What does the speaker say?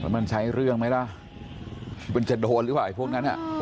มันใช้เรื่องไหมล่ะมันจะโดนหรือเปล่าไอ้พวกนั้น